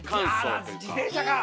あ自転車か！